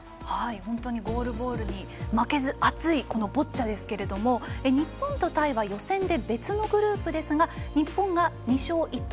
ゴールボールに負けず熱いボッチャですけど日本とタイは予選で別のグループですが日本が２勝１敗。